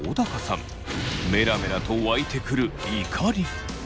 メラメラと湧いてくる怒り。